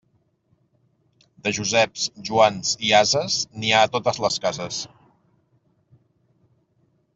De Joseps, Joans i ases, n'hi ha a totes les cases.